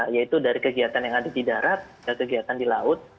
yaitu dari kegiatan yang ada di darat kegiatan di laut